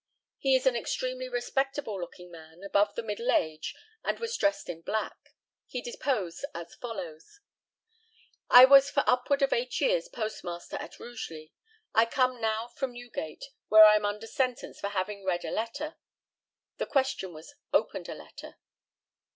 He is an extremely respectable looking man, above the middle age, and was dressed in black. He deposed as follows: I was for upward of eight years postmaster at Rugeley. I come now from Newgate, where I am under sentence for having "read" a letter. [The question was "opened" a letter.